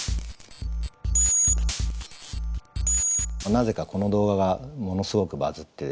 なぜかこの動画がものすごくバズってですね